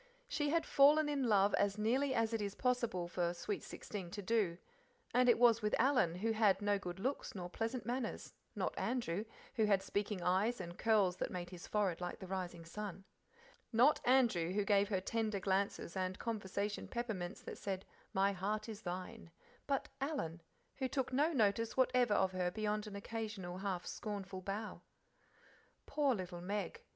She had fallen in love as nearly as it is possible for sweet sixteen to do; and it was with Alan, who had no good looks nor pleasant manners not Andrew, who had speaking eyes, and curls that "made his forehead like the rising sun"; not Andrew, who gave her tender glances and conversation peppermints that said "My heart is thine," but Alan, who took no notice whatever of her beyond an occasional half scornful bow. Poor little Meg!